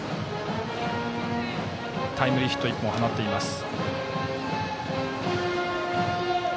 タイムリーヒットを１本放っています。